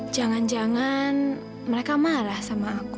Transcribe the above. jangan jangan mereka marah sama aku